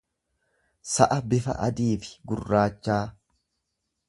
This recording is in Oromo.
sa'a bifa adiifi gurraachaa.